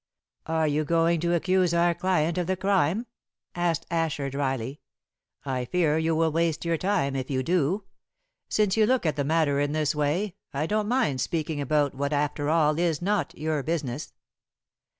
"Are you going to accuse our client of the crime?" asked Asher dryly. "I fear you will waste your time if you do. Since you look at the matter in this way, I don't mind speaking about what after all is not your business."